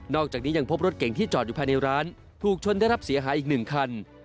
อกจากนี้ยังพบรถเก่งที่จอดอยู่ภายในร้านถูกชนได้รับเสียหายอีก๑คัน